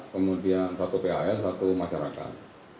kemudian satu pal satu masyarakat